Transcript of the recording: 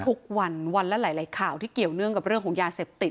ทุกวันวันละหลายข่าวที่เกี่ยวเนื่องกับเรื่องของยาเสพติด